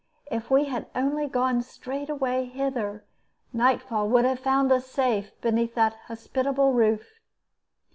If we had only gone straightway thither, night fall would have found us safe beneath that hospitable roof.